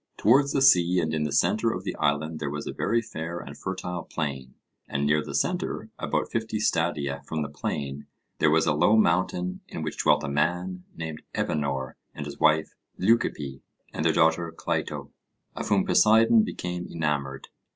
Towards the sea and in the centre of the island there was a very fair and fertile plain, and near the centre, about fifty stadia from the plain, there was a low mountain in which dwelt a man named Evenor and his wife Leucippe, and their daughter Cleito, of whom Poseidon became enamoured.